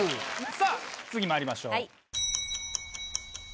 さぁ次まいりましょう。